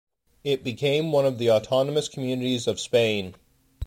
It became one of the autonomous communities of Spain.